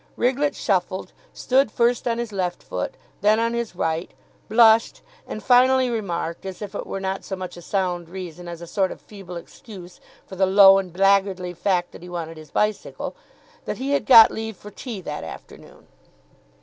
Riglett shuffled, stood first on his left foot, then on his right, blushed, and finally remarked, as if it were not so much a sound reason as a sort of feeble excuse for the low and blackguardly fact that he wanted his bicycle, that he had got leave for tea that afternoon.